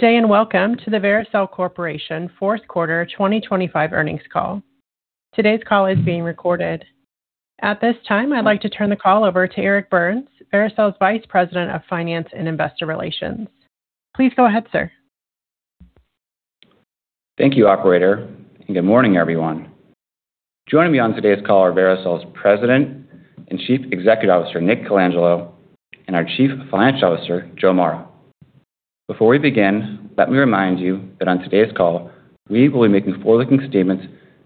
Good day, welcome to the Vericel Corporation Q4 2025 earnings call. Today's call is being recorded. At this time, I'd like to turn the call over to Eric Burns, Vericel's Vice President of Finance and Investor Relations. Please go ahead, sir. Thank you, operator, and good morning, everyone. Joining me on today's call are Vericel's President and Chief Executive Officer, Nick Colangelo, and our Chief Financial Officer, Joe Mara. Before we begin, let me remind you that on today's call, we will be making forward-looking statements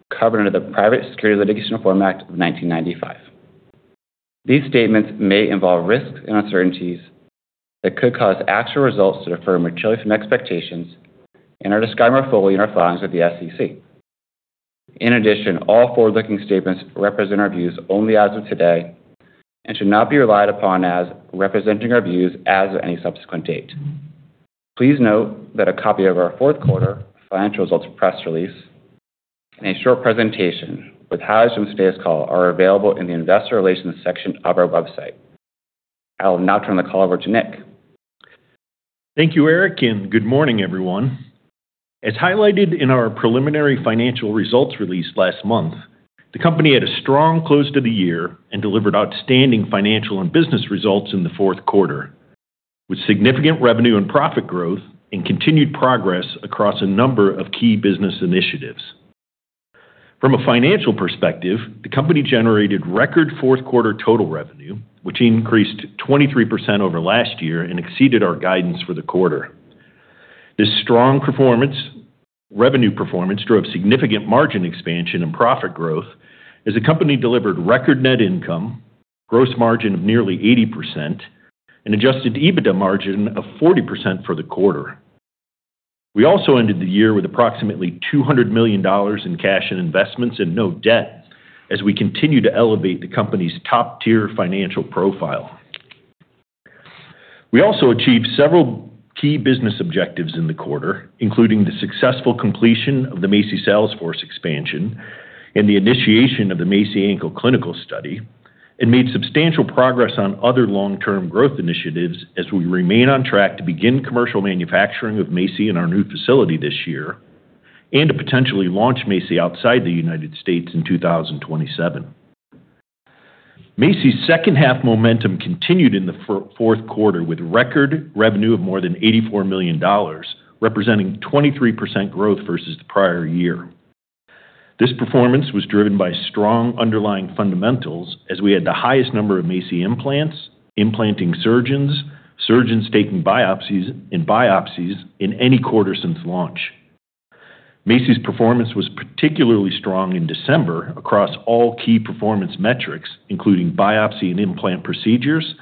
covered under the Private Securities Litigation Reform Act of 1995. These statements may involve risks and uncertainties that could cause actual results to differ materially from expectations and are described in full in our filings with the SEC. In addition, all forward-looking statements represent our views only as of today and should not be relied upon as representing our views as of any subsequent date. Please note that a copy of our Q4 financial results press release and a short presentation with highs from today's call are available in the Investor Relations section of our website. I will now turn the call over to Nick Colangelo. Thank you, Eric, Good morning, everyone. As highlighted in our preliminary financial results release last month, the company had a strong close to the year and delivered outstanding financial and business results in the Q4, with significant revenue and profit growth and continued progress across a number of key business initiatives. From a financial perspective, the company generated record Q4 total revenue, which increased 23% over last year and exceeded our guidance for the quarter. This strong revenue performance drove significant margin expansion and profit growth as the company delivered record net income, gross margin of nearly 80%, and adjusted EBITDA margin of 40% for the quarter. We also ended the year with approximately $200 million in cash and investments and no debt as we continue to elevate the company's top-tier financial profile. We also achieved several key business objectives in the quarter, including the successful completion of the MACI sales force expansion and the initiation of the MACI ankle clinical study, and made substantial progress on other long-term growth initiatives as we remain on track to begin commercial manufacturing of MACI in our new facility this year and to potentially launch MACI outside the United States in 2027. MACI's second half momentum continued in the Q4, with record revenue of more than $84 million, representing 23% growth versus the prior year. This performance was driven by strong underlying fundamentals, as we had the highest number of MACI implants, implanting surgeons taking biopsies, and biopsies in any quarter since launch. MACI's performance was particularly strong in December across all key performance metrics, including biopsy and implant procedures,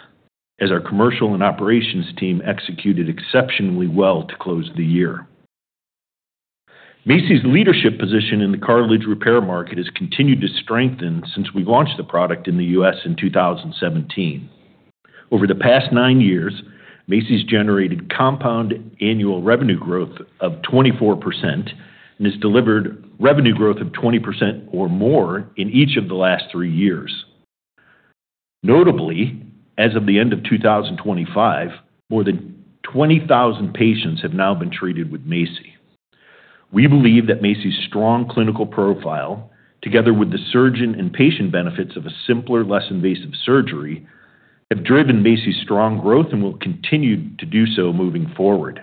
as our commercial and operations team executed exceptionally well to close the year. MACI's leadership position in the cartilage repair market has continued to strengthen since we launched the product in the U.S. in 2017. Over the past 9 years, MACI's generated compound annual revenue growth of 24% and has delivered revenue growth of 20% or more in each of the last 3 years. Notably, as of the end of 2025, more than 20,000 patients have now been treated with MACI. We believe that MACI's strong clinical profile, together with the surgeon and patient benefits of a simpler, less invasive surgery, have driven MACI's strong growth and will continue to do so moving forward.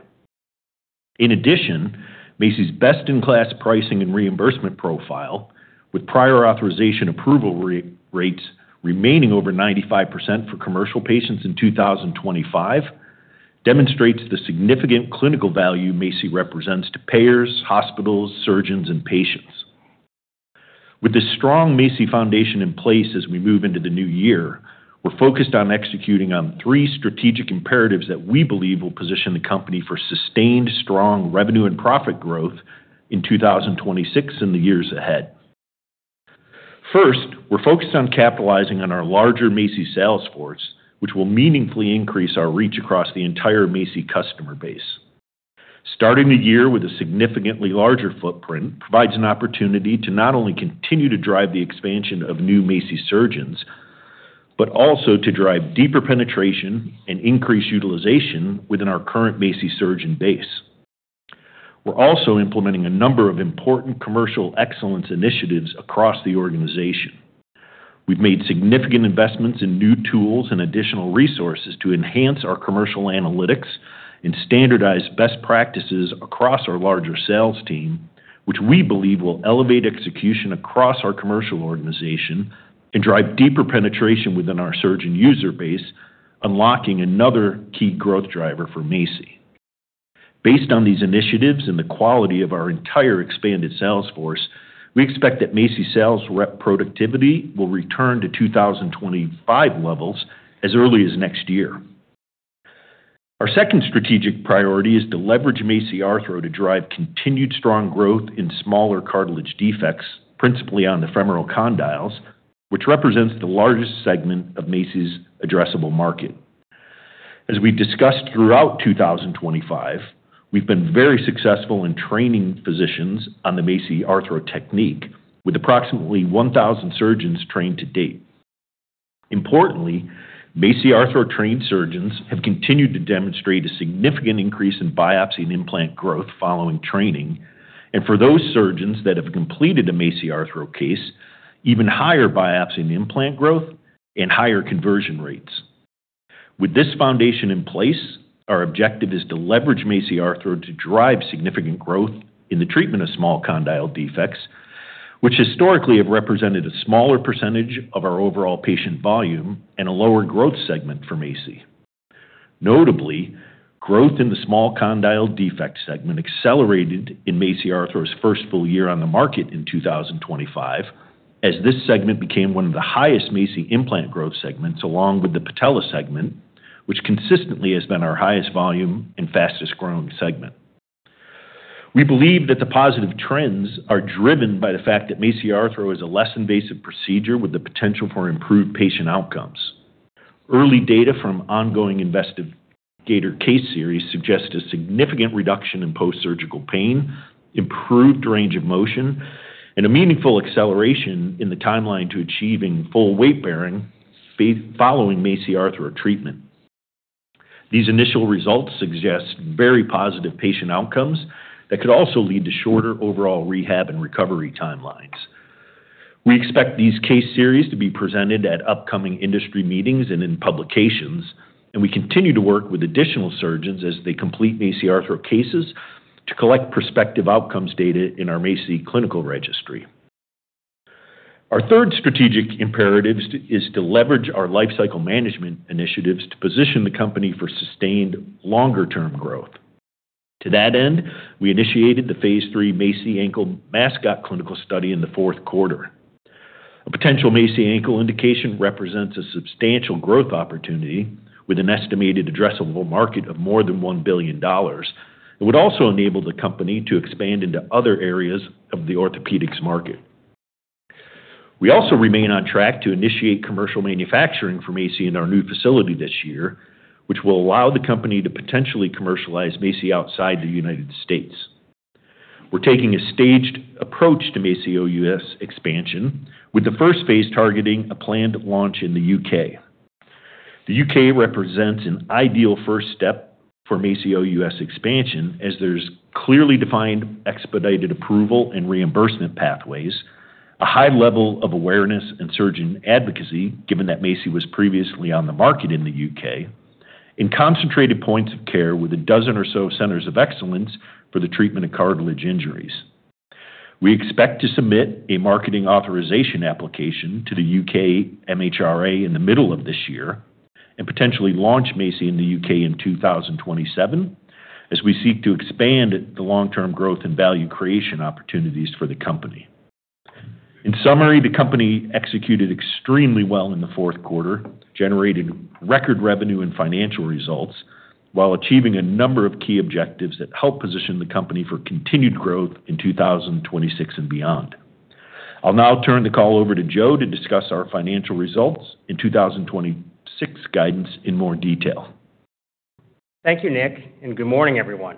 In addition, MACI's best-in-class pricing and reimbursement profile, with prior authorization approval rates remaining over 95% for commercial patients in 2025, demonstrates the significant clinical value MACI represents to payers, hospitals, surgeons, and patients. With this strong MACI foundation in place as we move into the new year, we're focused on executing on three strategic imperatives that we believe will position the company for sustained strong revenue and profit growth in 2026 and the years ahead. First, we're focused on capitalizing on our larger MACI sales force, which will meaningfully increase our reach across the entire MACI customer base. Starting the year with a significantly larger footprint provides an opportunity to not only continue to drive the expansion of new MACI surgeons, but also to drive deeper penetration and increase utilization within our current MACI surgeon base. We're also implementing a number of important commercial excellence initiatives across the organization. We've made significant investments in new tools and additional resources to enhance our commercial analytics and standardize best practices across our larger sales team, which we believe will elevate execution across our commercial organization and drive deeper penetration within our surgeon user base, unlocking another key growth driver for MACI. Based on these initiatives and the quality of our entire expanded sales force, we expect that MACI sales rep productivity will return to 2025 levels as early as next year. Our second strategic priority is to leverage MACI Arthro to drive continued strong growth in smaller cartilage defects, principally on the femoral condyles, which represents the largest segment of MACI's addressable market. As we've discussed throughout 2025, we've been very successful in training physicians on the MACI Arthro technique, with approximately 1,000 surgeons trained to date. Importantly, MACI Arthro trained surgeons have continued to demonstrate a significant increase in biopsy and implant growth following training. For those surgeons that have completed a MACI Arthro case, even higher biopsy and implant growth and higher conversion rates. With this foundation in place, our objective is to leverage MACI Arthro to drive significant growth in the treatment of small condyle defects, which historically have represented a smaller % of our overall patient volume and a lower growth segment for MACI. Notably, growth in the small condyle defect segment accelerated in MACI Arthro's first full year on the market in 2025, as this segment became one of the highest MACI implant growth segments, along with the patella segment, which consistently has been our highest volume and fastest growing segment. We believe that the positive trends are driven by the fact that MACI Arthro is a less invasive procedure with the potential for improved patient outcomes. Early data from ongoing investigator case series suggest a significant reduction in post-surgical pain, improved range of motion, and a meaningful acceleration in the timeline to achieving full weight bearing following MACI Arthro treatment. These initial results suggest very positive patient outcomes that could also lead to shorter overall rehab and recovery timelines. We expect these case series to be presented at upcoming industry meetings and in publications. We continue to work with additional surgeons as they complete MACI Arthro cases to collect prospective outcomes data in our MACI clinical registry. Our third strategic imperative is to leverage our lifecycle management initiatives to position the company for sustained longer-term growth. To that end, we initiated the phase III MACI Ankle MASCOT clinical study in the Q4. A potential MACI ankle indication represents a substantial growth opportunity with an estimated addressable market of more than $1 billion. It would also enable the company to expand into other areas of the orthopedics market. We also remain on track to initiate commercial manufacturing for MACI in our new facility this year, which will allow the company to potentially commercialize MACI outside the United States. We're taking a staged approach to MACI U.S. expansion, with the first phase targeting a planned launch in the U.K. The U.K. represents an ideal first step for MACI U.S. expansion, as there's clearly defined expedited approval and reimbursement pathways, a high level of awareness and surgeon advocacy, given that MACI was previously on the market in the U.K., and concentrated points of care with a dozen or so centers of excellence for the treatment of cartilage injuries. We expect to submit a marketing authorization application to the U.K. MHRA in the middle of this year and potentially launch MACI in the U.K. in 2027, as we seek to expand the long-term growth and value creation opportunities for the company. In summary, the company executed extremely well in the Q4, generating record revenue and financial results while achieving a number of key objectives that help position the company for continued growth in 2026 and beyond. I'll now turn the call over to Joe to discuss our financial results and 2026 guidance in more detail. Thank you, Nick, good morning, everyone.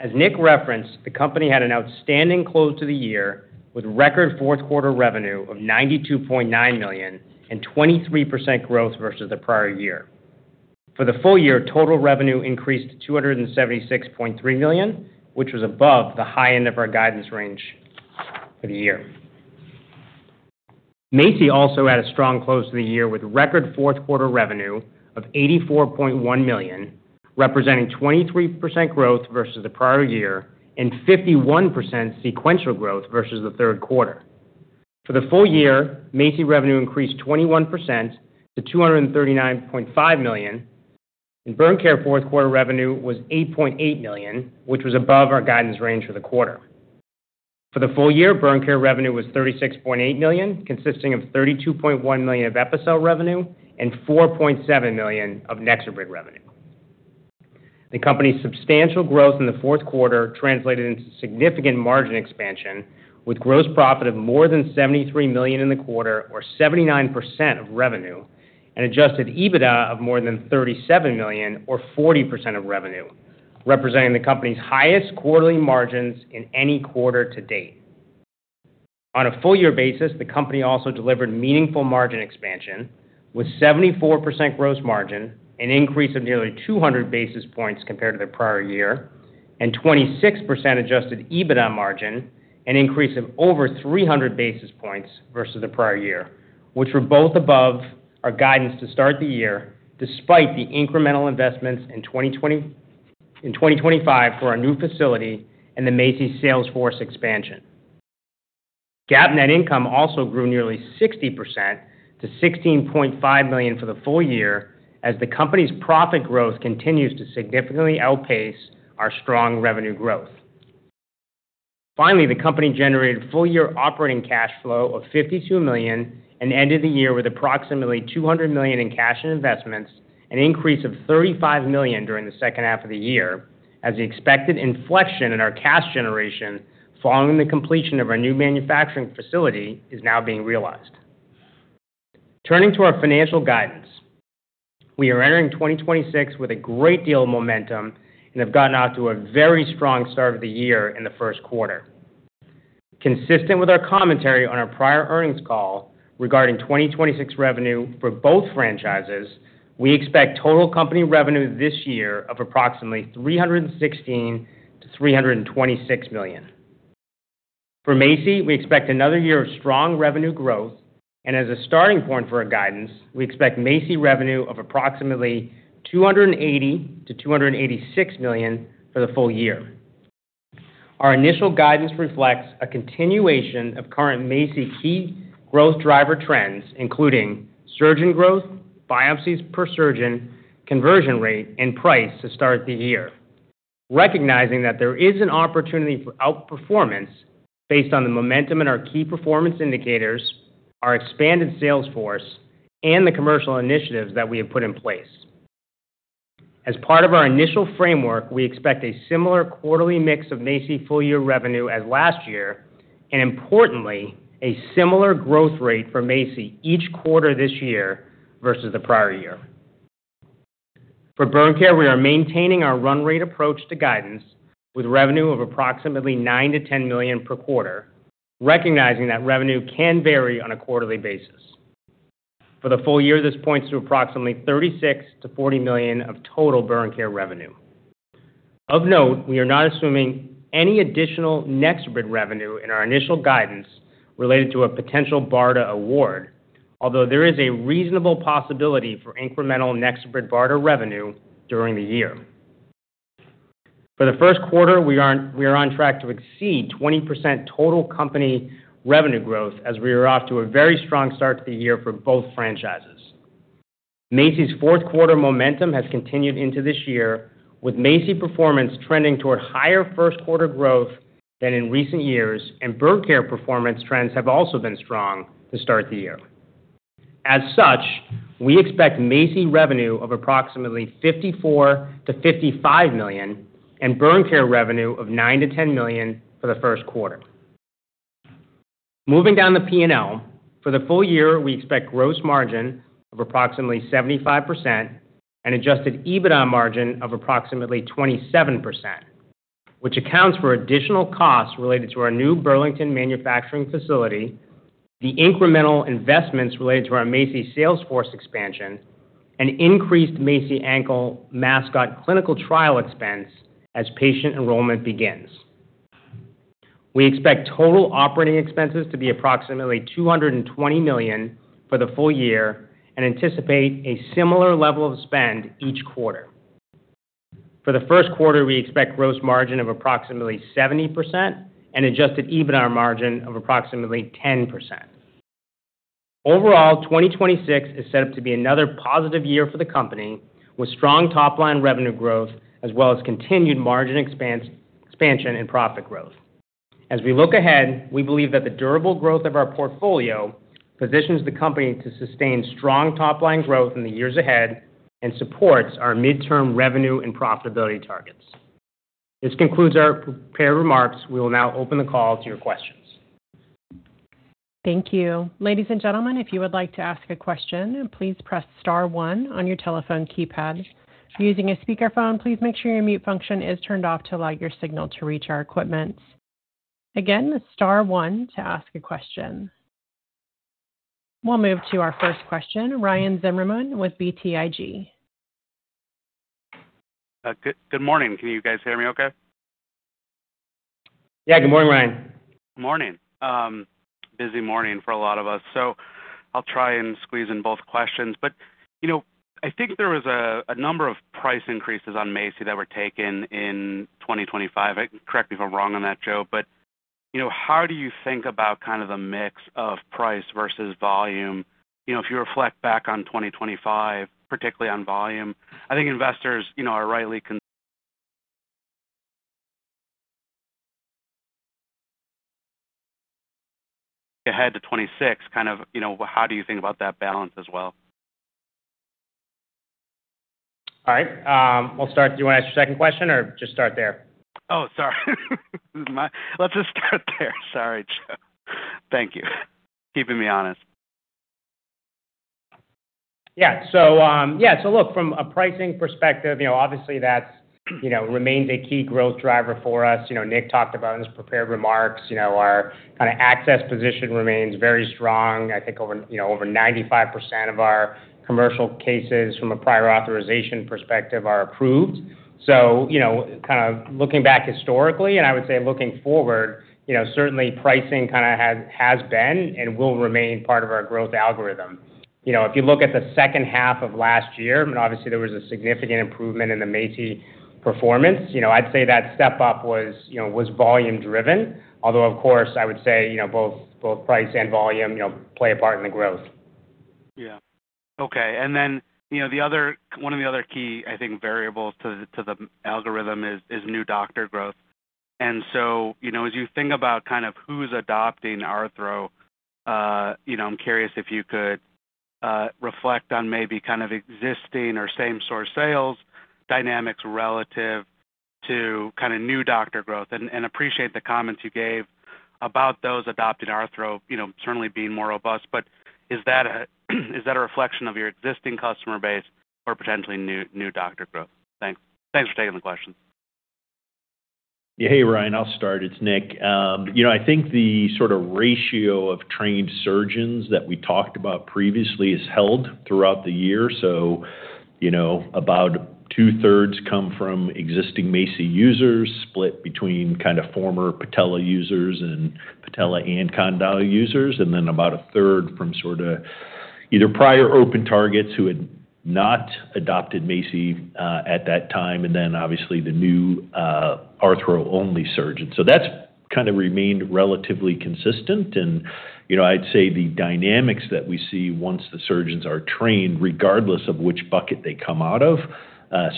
As Nick referenced, the company had an outstanding close to the year, with record Q4 revenue of $92.9 million and 23% growth versus the prior year. For the full year, total revenue increased to $276.3 million, which was above the high end of our guidance range for the year. MACI also had a strong close to the year, with record Q4 revenue of $84.1 million, representing 23% growth versus the prior year and 51% sequential growth versus the third quarter. For the full year, MACI revenue increased 21%-$239.5 million, and burn care Q4 revenue was $8.8 million, which was above our guidance range for the quarter. For the full year, burn care revenue was $36.8 million, consisting of $32.1 million of Epicel revenue and $4.7 million of NexoBrid revenue. The company's substantial growth in the Q4 translated into significant margin expansion, with gross profit of more than $73 million in the quarter or 79% of revenue, and adjusted EBITDA of more than $37 million or 40% of revenue, representing the company's highest quarterly margins in any quarter to date. On a full year basis, the company also delivered meaningful margin expansion, with 74% gross margin, an increase of nearly 200 basis points compared to the prior year, and 26% adjusted EBITDA margin, an increase of over 300 basis points versus the prior year, which were both above our guidance to start the year, despite the incremental investments in 2025 for our new facility and the MACI sales force expansion. GAAP net income also grew nearly 60%-$16.5 million for the full year, as the company's profit growth continues to significantly outpace our strong revenue growth. Finally, the company generated full-year operating cash flow of $52 million and ended the year with approximately $200 million in cash and investments, an increase of $35 million during the second half of the year, as the expected inflection in our cash generation following the completion of our new manufacturing facility is now being realized. Turning to our financial guidance. We are entering 2026 with a great deal of momentum and have gotten off to a very strong start of the year in the Q1. Consistent with our commentary on our prior earnings call regarding 2026 revenue for both franchises, we expect total company revenue this year of approximately $316-$326 million. For MACI, we expect another year of strong revenue growth, and as a starting point for our guidance, we expect MACI revenue of approximately $280-$286 million for the full year. Our initial guidance reflects a continuation of current MACI key growth driver trends, including surgeon growth, biopsies per surgeon, conversion rate, and price to start the year. Recognizing that there is an opportunity for outperformance based on the momentum in our key performance indicators, our expanded sales force, and the commercial initiatives that we have put in place. As part of our initial framework, we expect a similar quarterly mix of MACI full year revenue as last year, and importantly, a similar growth rate for MACI each quarter this year versus the prior year. For Burn Care, we are maintaining our run rate approach to guidance, with revenue of approximately $9-$10 million per quarter, recognizing that revenue can vary on a quarterly basis. For the full year, this points to approximately $36-$40 million of total Burn Care revenue. Of note, we are not assuming any additional NexoBrid revenue in our initial guidance related to a potential BARDA award, although there is a reasonable possibility for incremental NexoBrid BARDA revenue during the year. For the Q1, we are on track to exceed 20% total company revenue growth as we are off to a very strong start to the year for both franchises. MACI's Q4 momentum has continued into this year, with MACI performance trending toward higher Q1 growth than in recent years, and Burn Care performance trends have also been strong to start the year. As such, we expect MACI revenue of approximately $54-$55 million and Burn Care revenue of $9-$10 million for the Q1. Moving down the P&L, for the full year, we expect gross margin of approximately 75% and Adjusted EBITDA margin of approximately 27%, which accounts for additional costs related to our new Burlington manufacturing facility, the incremental investments related to our MACI sales force expansion, and increased MACI Ankle MASCOT clinical trial expense as patient enrollment begins. We expect total operating expenses to be approximately $220 million for the full year and anticipate a similar level of spend each quarter. For the Q1, we expect gross margin of approximately 70% and adjusted EBITDA margin of approximately 10%. Overall, 2026 is set up to be another positive year for the company, with strong top-line revenue growth as well as continued margin expansion and profit growth. We look ahead, we believe that the durable growth of our portfolio positions the company to sustain strong top-line growth in the years ahead and supports our midterm revenue and profitability targets. This concludes our prepared remarks. We will now open the call to your questions. Thank you. Ladies and gentlemen, if you would like to ask a question, please press star one on your telephone keypad. If you're using a speakerphone, please make sure your mute function is turned off to allow your signal to reach our equipment. Again, star one to ask a question. We'll move to our first question, Ryan Zimmerman with BTIG. Good morning. Can you guys hear me okay? Yeah. Good morning, Ryan. Morning. busy morning for a lot of us, so I'll try and squeeze in both questions. you know, I think there was a number of price increases on MACI that were taken in 2025. Correct me if I'm wrong on that, Joe, you know, how do you think about kind of the mix of price versus volume? You know, if you reflect back on 2025, particularly on volume, I think investors, you know, are rightly ahead to 2026, kind of, you know, how do you think about that balance as well? All right, we'll start. Do you want to ask your second question or just start there? Oh, sorry. Let's just start there. Sorry, Joe. Thank you. Keeping me honest. Look, from a pricing perspective, you know, obviously that's, you know, remains a key growth driver for us. You know, Nick talked about in his prepared remarks, you know, our kind of access position remains very strong. I think over 95% of our commercial cases from a prior authorization perspective are approved. You know, kind of looking back historically, and I would say looking forward, you know, certainly pricing kind of has been and will remain part of our growth algorithm. You know, if you look at the second half of last year, obviously there was a significant improvement in the MACI performance. You know, I'd say that step up was, you know, was volume driven, although of course, I would say, you know, both price and volume, you know, play a part in the growth. Yeah. Okay. you know, the other one of the other key, I think, variables to the algorithm is new doctor growth. you know, as you think about kind of who's adopting arthro, you know, I'm curious if you could reflect on maybe kind of existing or same-source sales dynamics relative to kind of new doctor growth and appreciate the comments you gave about those adopting Arthro, you know, certainly being more robust. Is that a reflection of your existing customer base or potentially new doctor growth? Thanks. Thanks for taking the question. Hey, Ryan, I'll start. It's Nick. You know, I think the sort of ratio of trained surgeons that we talked about previously is held throughout the year. You know, about 2/3 come from existing MACI users, split between kind of former patella users and patella and condyle users, and then about 1/3 from sort of either prior open targets who had not adopted MACI at that time, and then obviously the new arthro-only surgeons. That's kind of remained relatively consistent. You know, I'd say the dynamics that we see once the surgeons are trained, regardless of which bucket they come out of,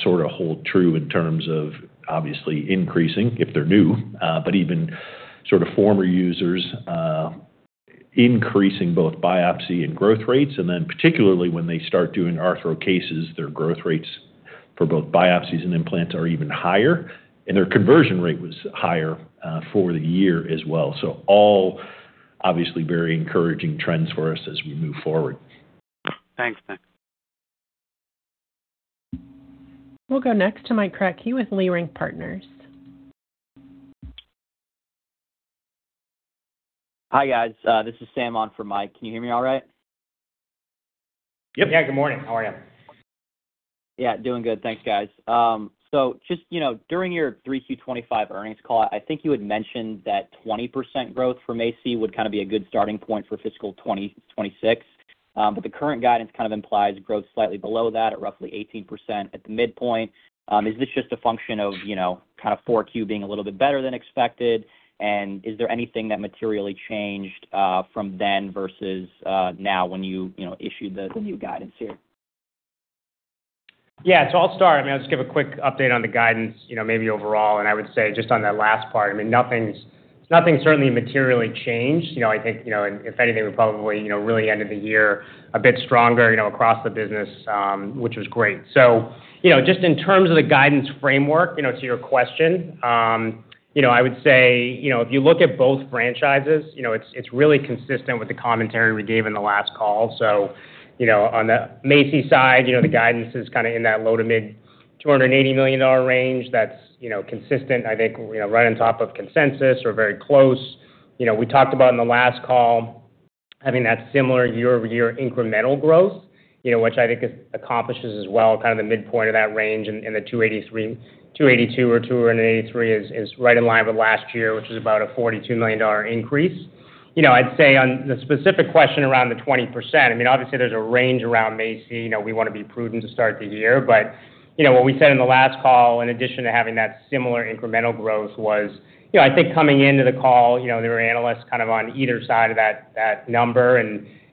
sort of hold true in terms of obviously increasing if they're new, but even sort of former users, increasing both biopsy and growth rates, and then particularly when they start doing Arthro cases, their growth rates for both biopsies and implants are even higher, and their conversion rate was higher for the year as well. All obviously very encouraging trends for us as we move forward. Thanks, Nick. We'll go next to Mike Kratky with Leerink Partners. Hi, guys. This is Sam on for Mike. Can you hear me all right? Yep. Yeah. Good morning. How are you? Yeah, doing good. Thanks, guys. Just, you know, during your 3Q 2025 earnings call, I think you had mentioned that 20% growth for MACI would kind of be a good starting point for fiscal 2026. The current guidance kind of implies growth slightly below that at roughly 18% at the midpoint. Is this just a function of, you know, kind of 4Q being a little bit better than expected? Is there anything that materially changed, from then versus, now when you know, issued the new guidance here? I'll start. I mean, I'll just give a quick update on the guidance, you know, maybe overall. I would say just on that last part, I mean, nothing's certainly materially changed. You know, I think, you know, if anything, we're probably, you know, really end of the year, a bit stronger, you know, across the business, which was great. Just in terms of the guidance framework, you know, to your question, I would say, you know, if you look at both franchises, you know, it's really consistent with the commentary we gave in the last call. On the MACI side, you know, the guidance is kind of in that low to mid $280 million range. That's, you know, consistent, I think, you know, right on top of consensus or very close. You know, we talked about in the last call, having that similar year-over-year incremental growth, you know, which I think is accomplishes as well, kind of the midpoint of that range in the $283, $282 or $283 is right in line with last year, which is about a $42 million increase. You know, I'd say on the specific question around the 20%, I mean, obviously, there's a range around MACI. You know, we want to be prudent to start the year, but, you know, what we said in the last call, in addition to having that similar incremental growth was, you know, I think coming into the call, you know, there were analysts kind of on either side of that number.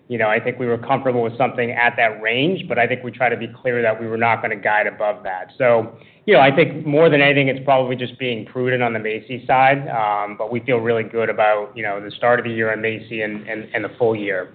You know, I think we were comfortable with something at that range, but I think we tried to be clear that we were not going to guide above that. You know, I think more than anything, it's probably just being prudent on the MACI side. We feel really good about, you know, the start of the year on MACI and the full year.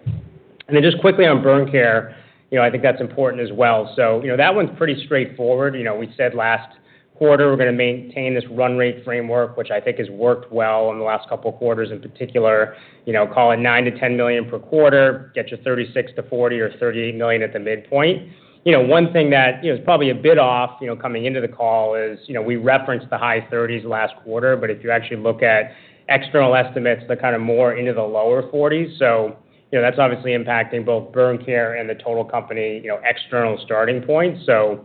Just quickly on Burn Care, you know, I think that's important as well. You know, that one's pretty straightforward. We said last quarter, we're going to maintain this run rate framework, which I think has worked well in the last couple of quarters, in particular, you know, call it $9-$10 million per quarter, get you $36-$40 million or $38 million at the midpoint. You know, one thing that, you know, is probably a bit off, you know, coming into the call is, you know, we referenced the high $30s million last quarter, but if you actually look at external estimates, they're kind of more into the lower $40s million. That's obviously impacting both Burn Care and the total company, you know, external starting points. I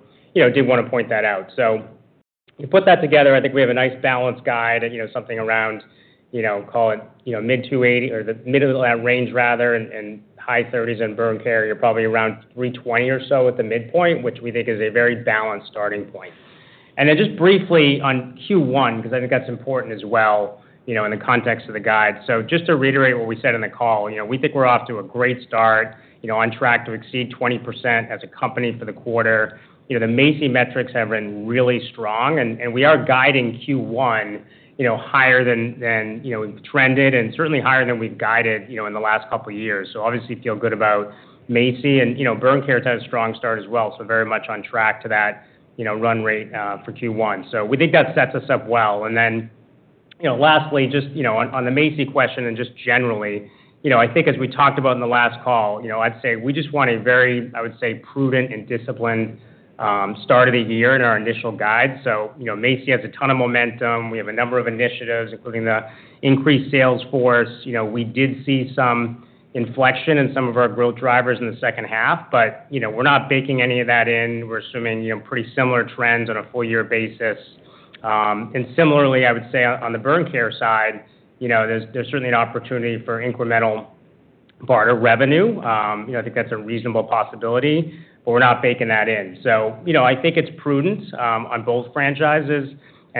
did want to point that out. You put that together, I think we have a nice balanced guide, you know, something around, you know, call it, you know, mid $280 million or the mid of that range rather, and high $30s million on Burn Care, you're probably around $320 million or so at the midpoint, which we think is a very balanced starting point. Then just briefly on Q1, because I think that's important as well, you know, in the context of the guide. Just to reiterate what we said in the call, you know, we think we're off to a great start, you know, on track to exceed 20% as a company for the quarter. You know, the MACI metrics have been really strong, and we are guiding Q1, you know, higher than, you know, trended and certainly higher than we've guided, you know, in the last couple of years. Obviously feel good about MACI and, you know, Burn Care has had a strong start as well. Very much on track to that, you know, run rate for Q1. We think that sets us up well. you know, lastly, just, you know, on the MACI question and just generally, you know, I think as we talked about in the last call, you know, I'd say we just want a very, I would say, prudent and disciplined start of the year in our initial guide. you know, MACI has a ton of momentum. We have a number of initiatives, including the increased sales force. we did see some inflection in some of our growth drivers in the second half, but, you know, we're not baking any of that in. We're assuming, you know, pretty similar trends on a full year basis. similarly, I would say on the Burn Care side, you know, there's certainly an opportunity for incremental BARDA revenue. you know, I think that's a reasonable possibility, but we're not baking that in. You know, I think it's prudence on both franchises.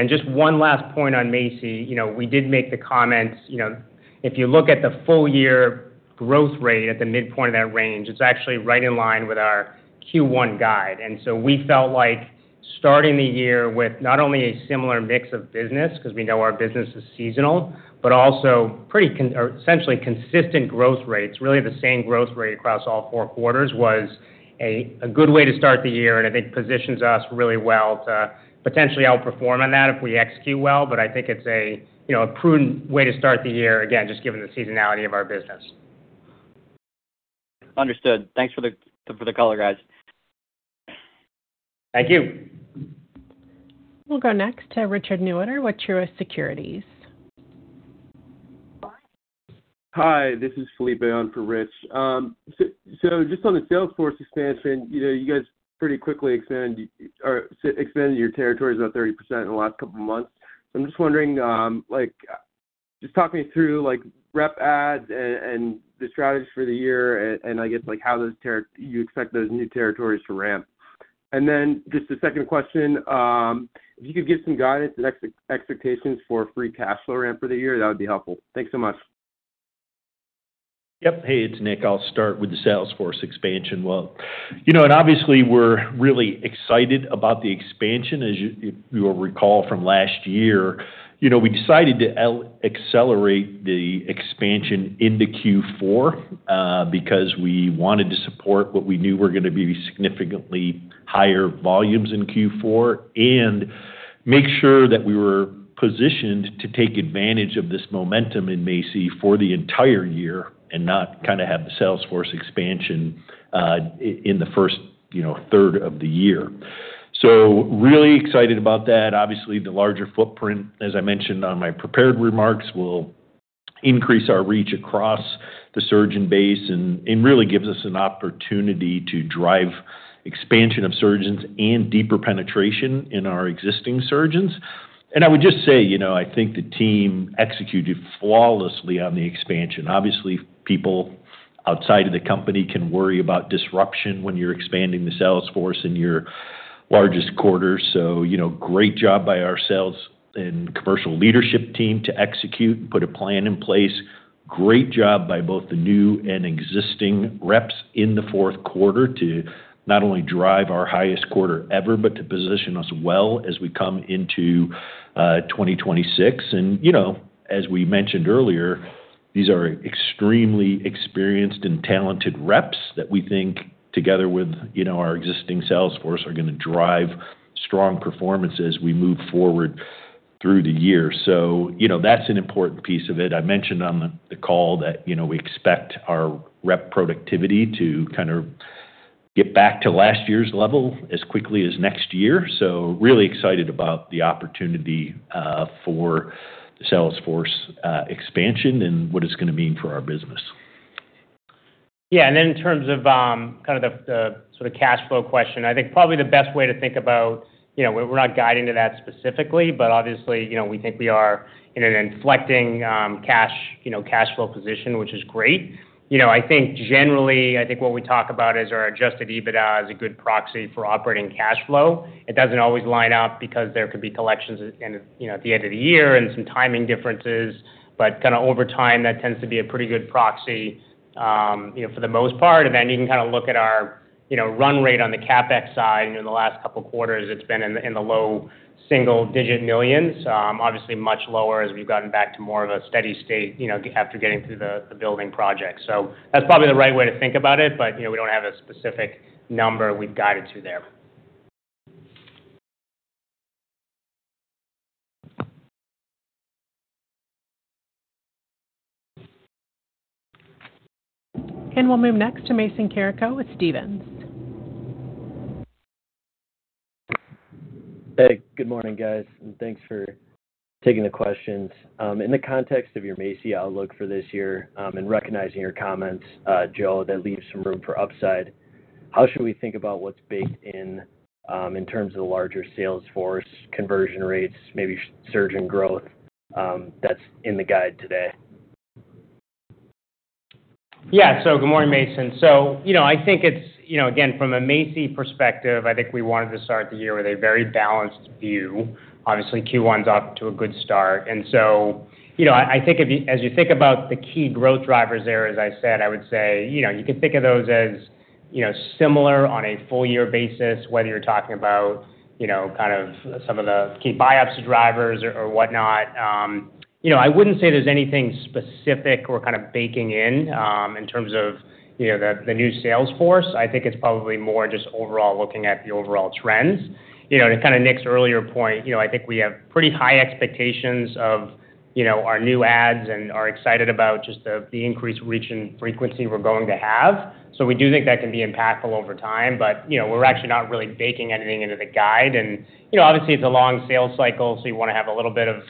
Just one last point on MACI. You know, we did make the comments, you know, if you look at the full year growth rate at the midpoint of that range, it's actually right in line with our Q1 guide. We felt starting the year with not only a similar mix of business, because we know our business is seasonal, but also pretty essentially consistent growth rates, really the same growth rate across all four quarters was a good way to start the year, and I think positions us really well to potentially outperform on that if we execute well. I think it's a, you know, a prudent way to start the year again, just given the seasonality of our business. Understood. Thanks for the, for the call, guys. Thank you. We'll go next to Richard Newitter with Truist Securities. Hi, this is Felipe on for Rich. just on the sales force expansion, you know, you guys pretty quickly expanded your territories about 30% in the last couple of months. I'm just wondering, like, just talk me through, like, rep adds and the strategies for the year and I guess, like, how those you expect those new territories to ramp. Then just a second question, if you could give some guidance and expectations for free cash flow ramp for the year, that would be helpful. Thanks so much. Yep. Hey, it's Nick. I'll start with the sales force expansion. Well, you know, obviously, we're really excited about the expansion. As if you will recall from last year, you know, we decided to accelerate the expansion into Q4 because we wanted to support what we knew were going to be significantly higher volumes in Q4 and make sure that we were positioned to take advantage of this momentum in MACI for the entire year and not kind of have the sales force expansion in the first, you know, third of the year. Really excited about that. Obviously, the larger footprint, as I mentioned on my prepared remarks, will increase our reach across the surgeon base and really gives us an opportunity to drive expansion of surgeons and deeper penetration in our existing surgeons. I would just say, you know, I think the team executed flawlessly on the expansion. Obviously, people outside of the company can worry about disruption when you're expanding the sales force in your largest quarter. Great job by our sales and commercial leadership team to execute and put a plan in place. Great job by both the new and existing reps in the Q4 to not only drive our highest quarter ever, but to position us well as we come into 2026. As we mentioned earlier, these are extremely experienced and talented reps that we think together with, you know, our existing sales force, are going to drive strong performance as we move forward through the year. That's an important piece of it. I mentioned on the call that, you know, we expect our rep productivity to kind of get back to last year's level as quickly as next year. Really excited about the opportunity for the sales force expansion and what it's going to mean for our business. Yeah, and then in terms of, kind of the sort of cash flow question, I think probably the best way to think about, you know, we're not guiding to that specifically, but obviously, you know, we think we are in an inflecting, cash, you know, cash flow position, which is great. You know, I think generally, I think what we talk about is our adjusted EBITDA is a good proxy for operating cash flow. It doesn't always line up because there could be collections in, you know, at the end of the year and some timing differences, but kind of over time, that tends to be a pretty good proxy, you know, for the most part. And then you can kind of look at our, you know, run rate on the CapEx side. In the last couple of quarters, it's been in the, in the low single digit millions, obviously much lower as we've gotten back to more of a steady state, you know, after getting through the building project. That's probably the right way to think about it, but, you know, we don't have a specific number we've guided to there. We'll move next to Mason Carrico with Stephens. Hey, good morning, guys, and thanks for taking the questions. In the context of your MACI outlook for this year, recognizing your comments, Joe, that leaves some room for upside. How should we think about what's baked in in terms of the larger sales force, conversion rates, maybe surgeon growth that's in the guide today? Yeah. Good morning, Mason. You know, I think it's, you know, again, from a MACI perspective, I think we wanted to start the year with a very balanced view. Obviously, Q1 is off to a good start. You know, I think if you as you think about the key growth drivers there, as I said, I would say, you know, you can think of those as, you know, similar on a full year basis, whether you're talking about, you know, kind of some of the key buy-ups drivers or whatnot. You know, I wouldn't say there's anything specific we're kind of baking in terms of, you know, the new sales force. I think it's probably more just overall looking at the overall trends. You know, to kind of Nick's earlier point, you know, I think we have pretty high expectations of, you know, our new ads and are excited about just the increased reach and frequency we're going to have. We do think that can be impactful over time, but, you know, we're actually not really baking anything into the guide. You know, obviously, it's a long sales cycle, so you want to have a little bit of,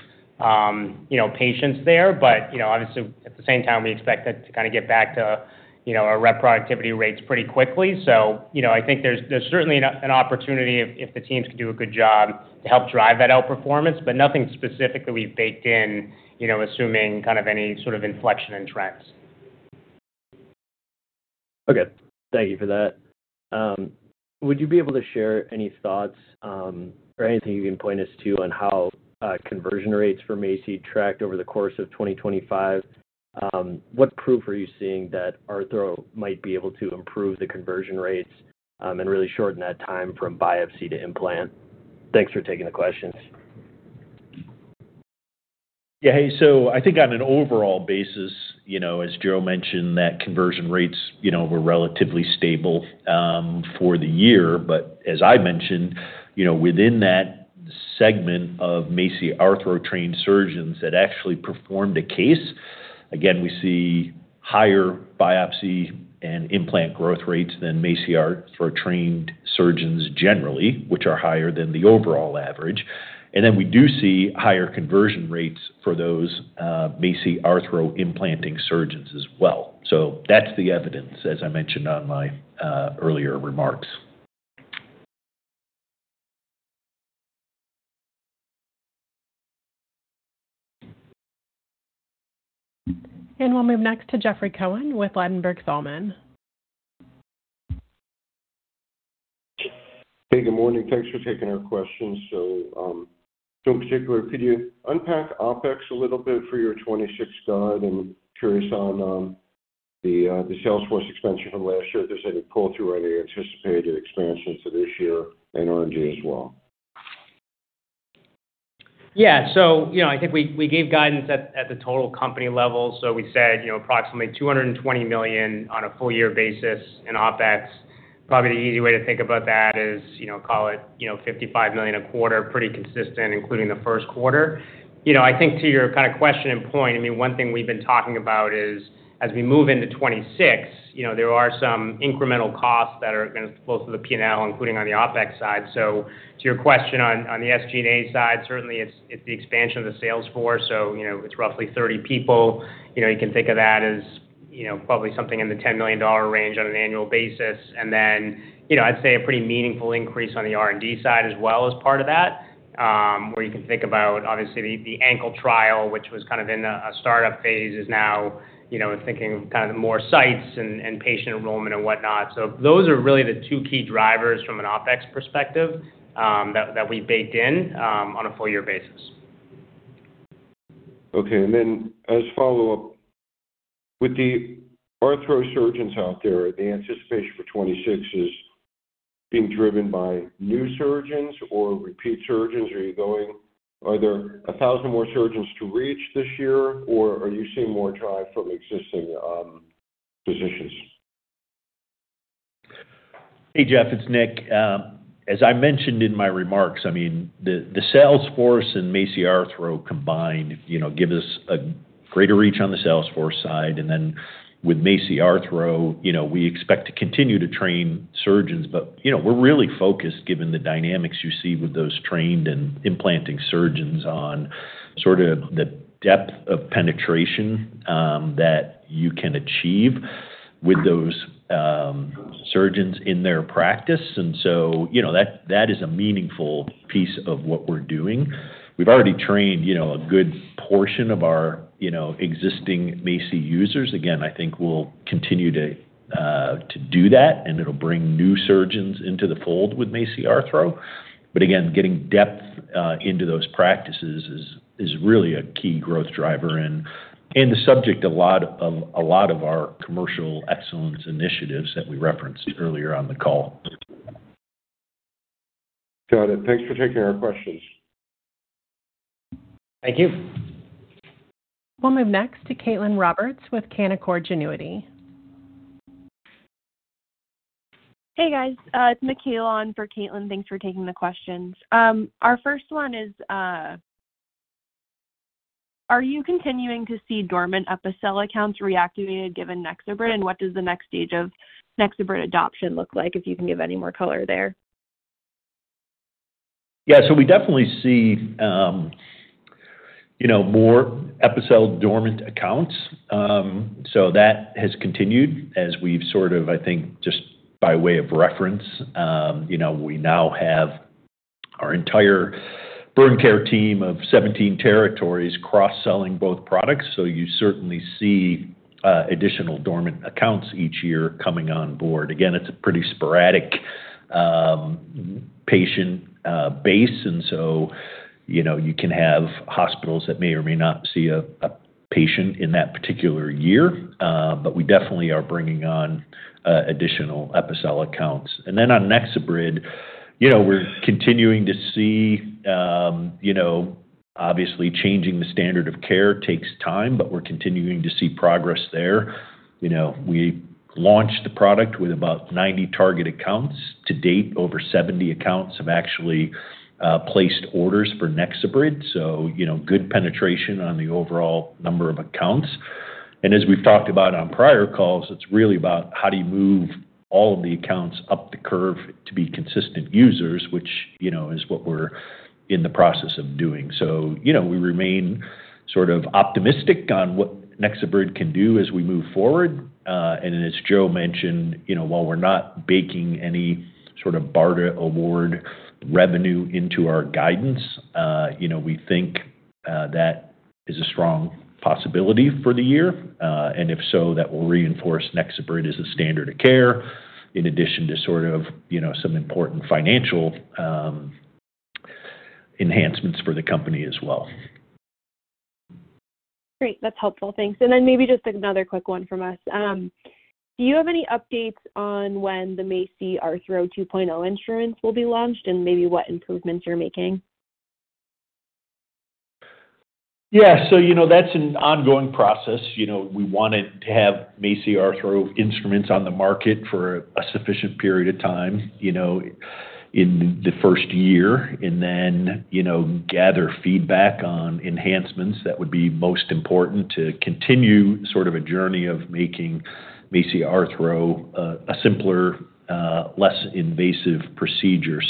you know, patience there. You know, obviously, at the same time, we expect it to kind of get back to, you know, our rep productivity rates pretty quickly. You know, I think there's certainly an opportunity if the teams can do a good job to help drive that outperformance, but nothing specifically baked in, you know, assuming kind of any sort of inflection in trends. Okay. Thank you for that. Would you be able to share any thoughts or anything you can point us to on how conversion rates for MACI tracked over the course of 2025? What proof are you seeing that Arthro might be able to improve the conversion rates and really shorten that time from biopsy to implant? Thanks for taking the questions. I think on an overall basis, you know, as Joe mentioned, that conversion rates, you know, were relatively stable for the year. As I mentioned, you know, within that segment of MACI Arthro-trained surgeons that actually performed a case, again, we see higher biopsy and implant growth rates than MACI Arthro-trained surgeons generally, which are higher than the overall average. We do see higher conversion rates for those MACI Arthro implanting surgeons as well. That's the evidence, as I mentioned on my earlier remarks. We'll move next to Jeffrey Cohen with Ladenburg Thalmann. Hey, good morning. Thanks for taking our questions. In particular, could you unpack OpEx a little bit for your 26 guide? I'm curious on the sales force expansion from last year, does that pull through any anticipated expansions for this year and R&D as well? Yeah. I think we gave guidance at the total company level. We said, you know, approximately $220 million on a full year basis in OpEx. Probably the easy way to think about that is, you know, call it, you know, $55 million a quarter, pretty consistent, including the Q1. You know, I think to your kind of question and point, I mean, one thing we've been talking about is as we move into 2026, you know, there are some incremental costs that are going to flow through the PNL, including on the OpEx side. To your question on the SG&A side, certainly it's the expansion of the sales force. You know, it's roughly 30 people. You know, you can think of that as, you know, probably something in the $10 million range on an annual basis. You know, I'd say a pretty meaningful increase on the R&D side as well as part of that, where you can think about, obviously, the ankle trial, which was kind of in a startup phase, is now, you know, thinking kind of more sites and patient enrollment and whatnot. Those are really the two key drivers from an OpEx perspective that we baked in on a full year basis. Okay. As a follow-up, with the arthro surgeons out there, the anticipation for 26 is being driven by new surgeons or repeat surgeons. Are there 1,000 more surgeons to reach this year, or are you seeing more drive from existing physicians? Hey, Jeff, it's Nick. As I mentioned in my remarks, the sales force and MACI Arthro combined, you know, give us a greater reach on the sales force side. With MACI Arthro, you know, we expect to continue to train surgeons. You know, we're really focused, given the dynamics you see with those trained and implanting surgeons, on sort of the depth of penetration that you can achieve with those surgeons in their practice. You know, that is a meaningful piece of what we're doing. We've already trained, you know, a good portion of our, you know, existing MACI users. I think we'll continue to do that, and it'll bring new surgeons into the fold with MACI Arthro. Again, getting depth, into those practices is really a key growth driver and the subject a lot of our commercial excellence initiatives that we referenced earlier on the call. Got it. Thanks for taking our questions. Thank you. We'll move next to Caitlin Cronin with Canaccord Genuity. Hey, guys. It's Michaela on for Caitlin. Thanks for taking the questions. Our first one is, are you continuing to see Dormant Epicel accounts reactivated given NexoBrid, and what does the next stage of NexoBrid adoption look like, if you can give any more color there? Yeah, we definitely see, you know, more Epicel Dormant accounts. That has continued as we've sort of, I think, just by way of reference, you know, we now have our entire burn care team of 17 territories cross-selling both products. You certainly see additional dormant accounts each year coming on board. Again, it's a pretty sporadic patient base, and you know, you can have hospitals that may or may not see a patient in that particular year, but we definitely are bringing on additional Epicel accounts. On NexoBrid, you know, we're continuing to see, you know, obviously, changing the standard of care takes time, but we're continuing to see progress there. You know, we launched the product with about 90 target accounts. To date, over 70 accounts have actually placed orders for NexoBrid, you know, good penetration on the overall number of accounts. As we've talked about on prior calls, it's really about how do you move all of the accounts up the curve to be consistent users, which, you know, is what we're in the process of doing. You know, we remain sort of optimistic on what NexoBrid can do as we move forward. As Joe mentioned, you know, while we're not baking any sort of BARDA award revenue into our guidance, you know, we think that is a strong possibility for the year. If so, that will reinforce NexoBrid as a standard of care, in addition to sort of, you know, some important financial enhancements for the company as well. Great. That's helpful. Thanks. Maybe just another quick one from us. Do you have any updates on when the MACI Arthro 2.0 instruments will be launched, and maybe what improvements you're making? Yeah. You know, that's an ongoing process. You know, we wanted to have MACI Arthro instruments on the market for a sufficient period of time, you know, in the first year, and then, you know, gather feedback on enhancements that would be most important to continue sort of a journey of making MACI Arthro a simpler, less invasive procedure.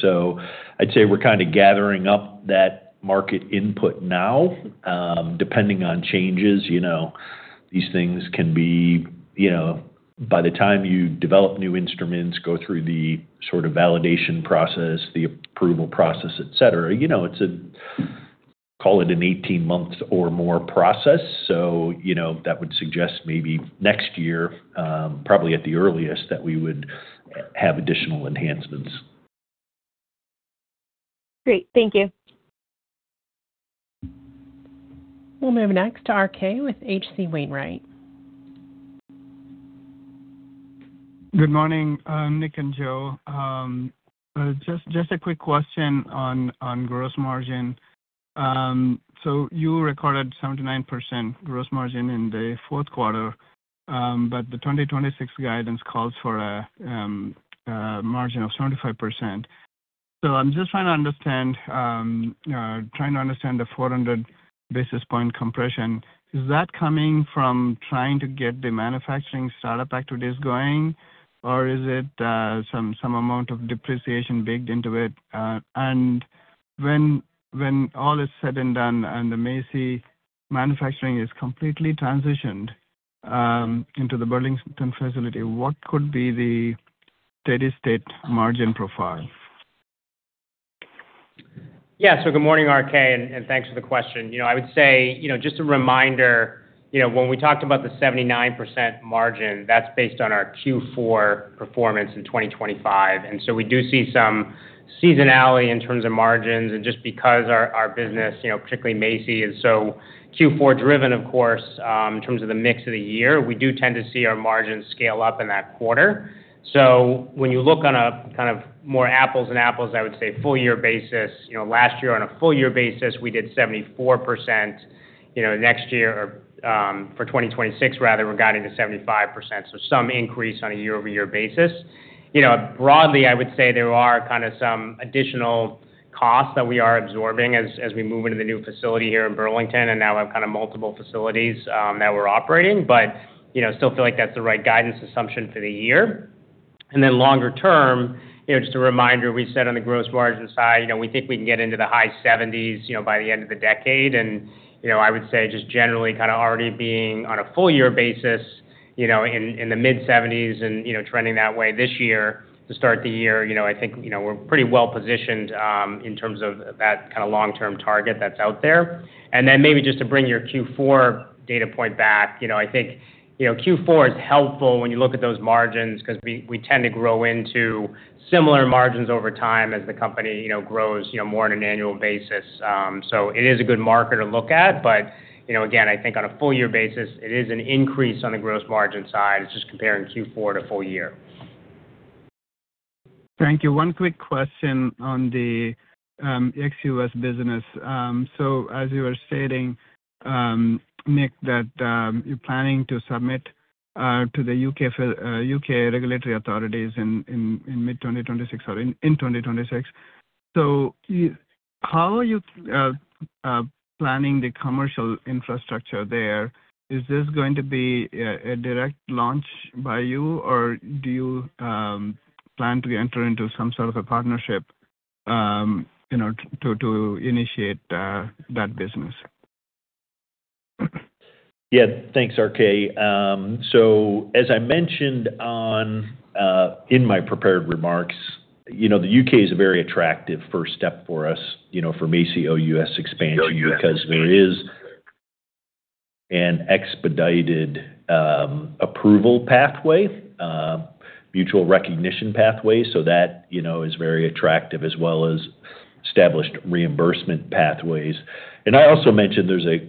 I'd say we're kind of gathering up that market input now. Depending on changes, you know, these things can be, you know, by the time you develop new instruments, go through the sort of validation process, the approval process, et cetera, you know, it's a, call it an 18-month or more process. You know, that would suggest maybe next year, probably at the earliest, that we would have additional enhancements. Great. Thank you. We'll move next to RK with H.C. Wainwright. Good morning, Nick and Joe. Just a quick question on gross margin. You recorded 79% gross margin in the Q4, but the 2026 guidance calls for a margin of 75%. I'm just trying to understand, trying to understand the 400 basis point compression. Is that coming from trying to get the manufacturing start-up activities going, or is it some amount of depreciation baked into it? When all is said and done and the MACI manufacturing is completely transitioned into the Burlington facility, what could be the steady-state margin profile? Yeah. Good morning, RK, and thanks for the question. You know, I would say, you know, just a reminder, you know, when we talked about the 79% margin, that's based on our Q4 performance in 2025. We do see some seasonality in terms of margins. Just because our business, you know, particularly MACI, is so Q4 driven, of course, in terms of the mix of the year, we do tend to see our margins scale up in that quarter. When you look on a kind of more apples and apples, I would say full year basis, you know, last year on a full year basis, we did 74%. You know, next year or, for 2026 rather, we're guiding to 75%. Some increase on a year-over-year basis. You know, broadly, I would say there are kind of some additional costs that we are absorbing as we move into the new facility here in Burlington and now have kind of multiple facilities that we're operating. You know, still feel like that's the right guidance assumption for the year. Then longer term, you know, just a reminder, we said on the gross margin side, you know, we think we can get into the high 70s, you know, by the end of the decade. You know, I would say just generally kind of already being on a full year basis, you know, in the mid-70s and, you know, trending that way this year, to start the year, you know, I think, you know, we're pretty well positioned in terms of that kind of long-term target that's out there. Maybe just to bring your Q4 data point back, you know, I think, you know, Q4 is helpful when you look at those margins, because we tend to grow into similar margins over time as the company, you know, grows, you know, more on an annual basis. It is a good marker to look at, but, you know, again, I think on a full year basis, it is an increase on the gross margin side. It's just comparing Q4 to full year. Thank you. One quick question on the ex-U.S. business. As you were stating, Nick, that you're planning to submit to the U.K. regulatory authorities in mid-2026 or in 2026. How are you planning the commercial infrastructure there? Is this going to be a direct launch by you, or do you plan to enter into some sort of a partnership, you know, to initiate that business? Yeah. Thanks, RK. As I mentioned in my prepared remarks, you know, the U.K. is a very attractive first step for us, you know, for MACI OUS expansion, because there is an expedited approval pathway, mutual recognition pathway. That, you know, is very attractive, as well as established reimbursement pathways. I also mentioned there's a,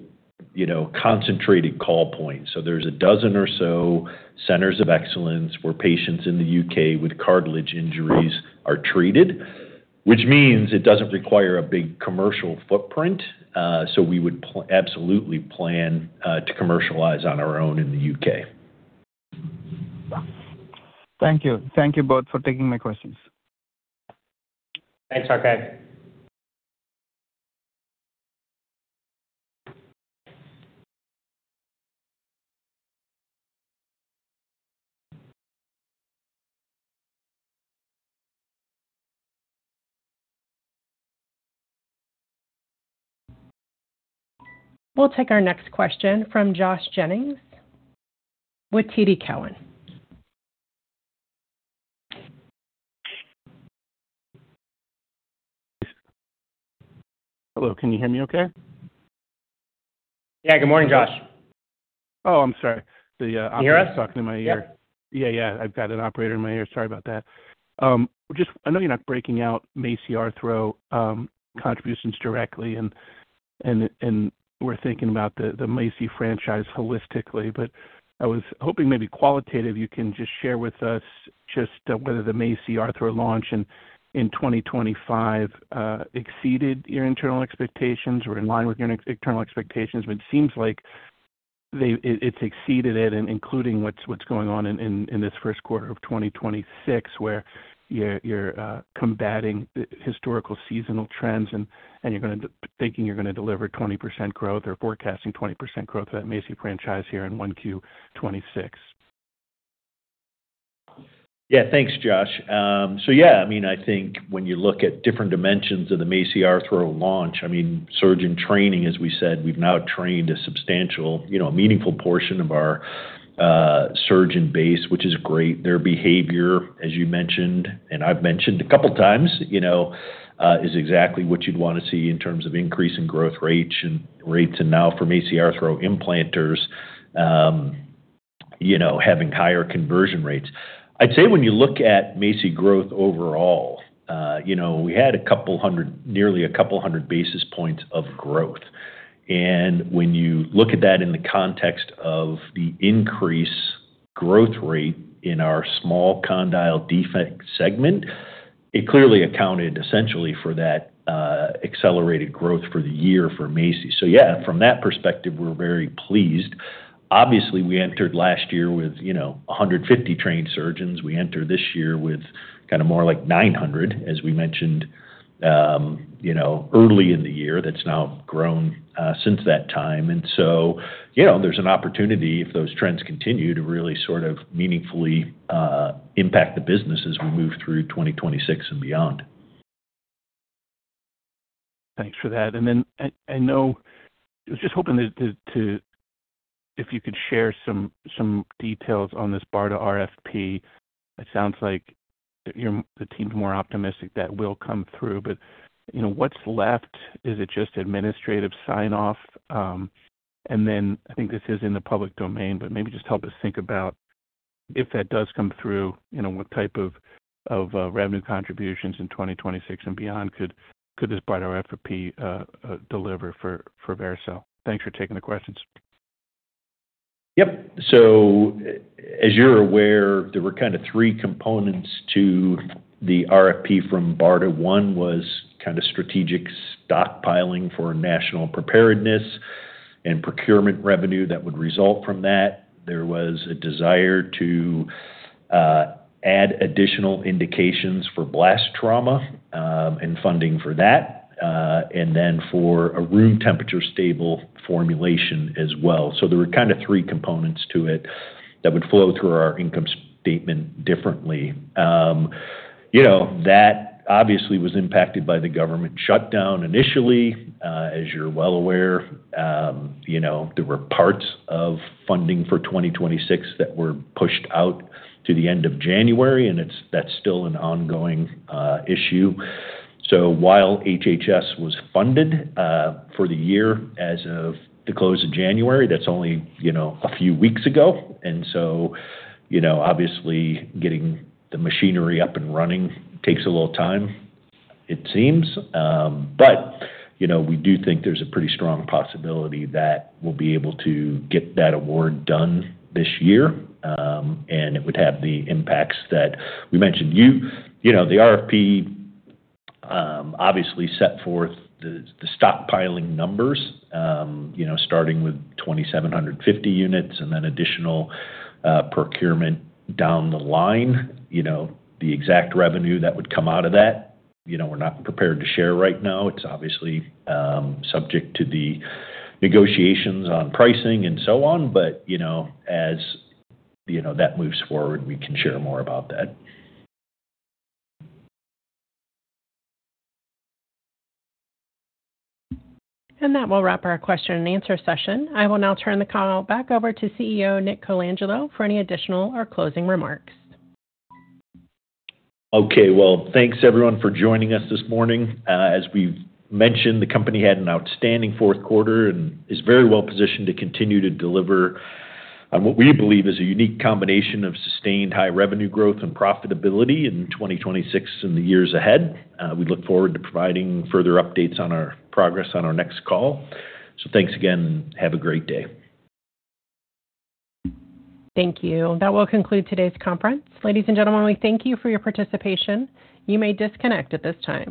you know, concentrated call point. There's a 12 or so centers of excellence where patients in the U.K. with cartilage injuries are treated, which means it doesn't require a big commercial footprint. We would absolutely plan to commercialize on our own in the U.K. Thank you. Thank you both for taking my questions. Thanks, RK. We'll take our next question from Josh Jennings with TD Cowen. Hello, can you hear me okay? Yeah, good morning, Josh. Oh, I'm sorry. The, operator- Can you hear us? is talking in my ear. Yep. Yeah, yeah, I've got an operator in my ear. Sorry about that. just I know you're not breaking out MACI Arthro contributions directly, and we're thinking about the MACI franchise holistically, but I was hoping maybe qualitatively, you can just share with us just whether the MACI Arthro launch in 2025 exceeded your internal expectations or in line with your internal expectations. It seems like it's exceeded it, and including what's going on in this Q1 of 2026, where you're combating the historical seasonal trends and thinking you're gonna deliver 20% growth or forecasting 20% growth of that MACI franchise here in 1Q 2026. Yeah. Thanks, Josh. Yeah, I mean, I think when you look at different dimensions of the MACI Arthro launch, I mean, surgeon training, as we said, we've now trained a substantial, you know, a meaningful portion of our surgeon base, which is great. Their behavior, as you mentioned, and I've mentioned a couple of times, you know, is exactly what you'd want to see in terms of increase in growth rates and now for MACI Arthro implanters, you know, having higher conversion rates. I'd say when you look at MACI growth overall, you know, we had a couple hundred, nearly a couple hundred basis points of growth. When you look at that in the context of the increase growth rate in our small condyle defect segment, it clearly accounted essentially for that accelerated growth for the year for MACI. Yeah, from that perspective, we're very pleased. Obviously, we entered last year with, you know, 150 trained surgeons. We entered this year with kind of more like 900, as we mentioned, you know, early in the year. That's now grown since that time. You know, there's an opportunity, if those trends continue, to really sort of meaningfully impact the business as we move through 2026 and beyond. Thanks for that. I know... I was just hoping if you could share some details on this BARDA RFP. It sounds like the team's more optimistic that will come through, but, you know, what's left? Is it just administrative sign-off? I think this is in the public domain, but maybe just help us think about if that does come through, you know, what type of revenue contributions in 2026 and beyond could this BARDA RFP deliver for Vericel? Thanks for taking the questions. Yep. As you're aware, there were kind of three components to the RFP from BARDA. One was kind of strategic stockpiling for national preparedness and procurement revenue that would result from that. There was a desire to add additional indications for blast injury and funding for that and then for a room-temperature stable formulation as well. There were kind of three components to it that would flow through our income statement differently. You know, that obviously was impacted by the government shutdown initially. As you're well aware, you know, there were parts of funding for 2026 that were pushed out to the end of January, and that's still an ongoing issue. While HHS was funded for the year as of the close of January, that's only, you know, a few weeks ago, you know, obviously, getting the machinery up and running takes a little time, it seems. You know, we do think there's a pretty strong possibility that we'll be able to get that award done this year, and it would have the impacts that we mentioned. You know, the RFP obviously set forth the stockpiling numbers, starting with 2,750 units and then additional procurement down the line. You know, the exact revenue that would come out of that, you know, we're not prepared to share right now. It's obviously, subject to the negotiations on pricing and so on, but, you know, as you know, that moves forward, we can share more about that. That will wrap our question and answer session. I will now turn the call back over to CEO, Dominic Colangelo, for any additional or closing remarks. Okay. Well, thanks everyone for joining us this morning. As we've mentioned, the company had an outstanding Q4 and is very well positioned to continue to deliver on what we believe is a unique combination of sustained high revenue growth and profitability in 2026 and the years ahead. We look forward to providing further updates on our progress on our next call. Thanks again, and have a great day. Thank you. That will conclude today's conference. Ladies and gentlemen, we thank you for your participation. You may disconnect at this time.